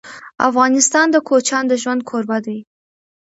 افغانستان د کوچیانو د ژوند کوربه دی.